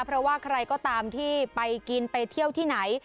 เพราะว่าใครก็ตามที่ไปกินไปเที่ยวที่ไหน